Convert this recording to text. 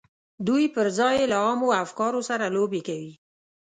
دوی پر ځای یې له عامو افکارو سره لوبې کوي